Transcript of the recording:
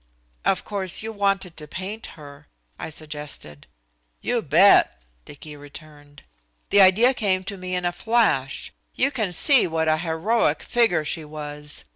"Of course you wanted to paint her," I suggested. "You bet," Dicky returned. "The idea came to me in a flash. You can see what a heroic figure she was.